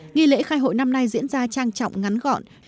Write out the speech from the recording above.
nghi lễ khai hội năm nay diễn ra trang trọng ngắn gọn